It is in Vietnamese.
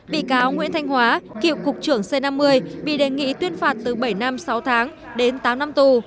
bị cáo nguyễn thanh hóa cựu cục trưởng c năm mươi bị đề nghị tuyên phạt từ bảy năm sáu tháng đến tám năm tù